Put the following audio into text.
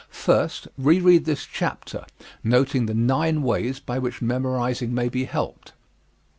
First, reread this chapter, noting the nine ways by which memorizing may be helped.